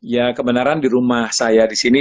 ya kebenaran di rumah saya disini